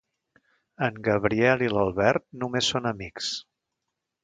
En Gabriel i l'Albert només són amics.